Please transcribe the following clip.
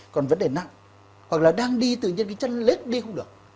còn vấn đề nặng hoặc là đang đi tự nhiên cái chân lết đi không được